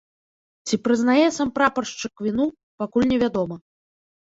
Ці прызнае сам прапаршчык віну, пакуль невядома.